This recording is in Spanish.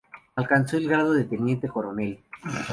Alcanzó el grado de teniente coronel.